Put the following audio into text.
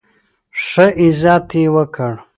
ښه عزت یې وکړ.